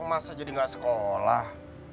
masa jadi gak sekolah